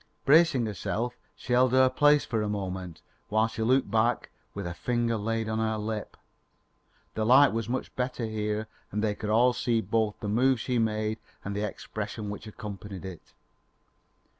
Bracing herself, she held her place for a moment, while she looked back, with a finger laid on her lip. The light was much better here and they could all see both the move she made and the expression which accompanied it.